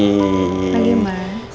ini masih udah mikro